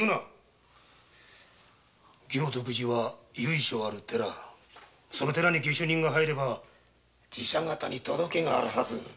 行徳寺は由緒ある寺その寺に下手人が入れば寺社方に届けがあるハズ！